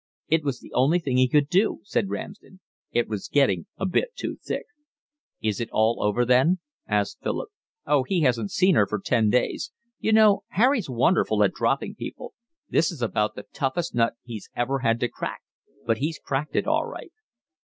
"It was the only thing he could do," said Ramsden. "It was getting a bit too thick." "Is it all over then?" asked Philip. "Oh, he hasn't seen her for ten days. You know, Harry's wonderful at dropping people. This is about the toughest nut he's ever had to crack, but he's cracked it all right."